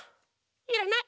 いらない！